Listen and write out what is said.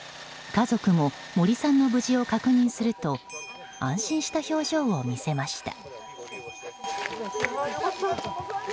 家族も森さんの無事を確認すると安心した表情を見せました。